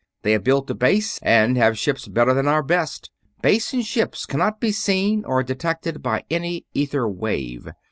They have built a base, and have ships better than our best. Base and ships cannot be seen or detected by any ether wave.